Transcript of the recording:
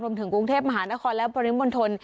รวมถึงกรุงเทพฯมหานครและบริมณมนตร